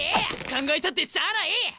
考えたってしゃあない！